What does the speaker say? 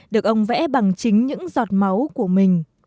được ông vẽ bằng chính những giọt máu của mình